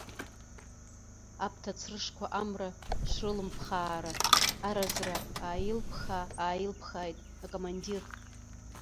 Аԥҭа црышқәа амра шрылымԥхаара, аразра ааилԥхаа-ааилԥхааит акомандир.